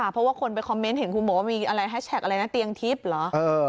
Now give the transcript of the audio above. เพราะว่าคนไปคอมเมนต์เห็นคุณหมอมีอะไรแฮชแท็กอะไรนะเตียงทิพย์เหรอ